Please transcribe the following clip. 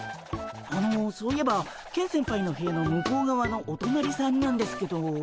あのそういえばケン先輩の部屋の向こうがわのおとなりさんなんですけど。